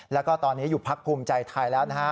แล้วก็ตอนนี้อยู่พักภูมิใจไทยแล้วนะฮะ